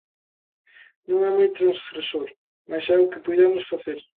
Non é moi transgresor, mais é o que puidemos facer.